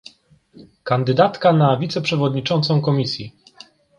kandydatka na wiceprzewodniczącą Komisji